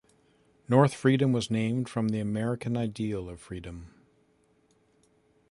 North Freedom was named from the American ideal of freedom.